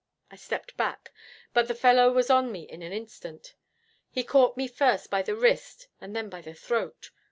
I stepped back, but the fellow was on me in an instant. He caught me first by the wrist and then by the throat.